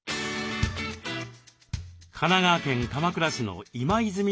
神奈川県鎌倉市の今泉台地区。